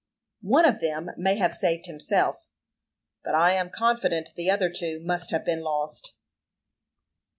"One of them may have saved himself, but I am confident the other two must have been lost."